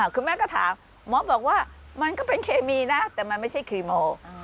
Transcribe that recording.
คุณแม่ก็ถามหมอบอกว่ามันก็เป็นเคมีนะแต่มันไม่ใช่ครีโม